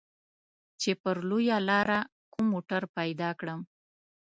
چې پر لويه لاره کوم موټر پيدا کړم.